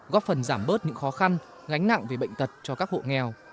góp phần giảm bớt những khó khăn gánh nặng về bệnh tật cho các hộ nghèo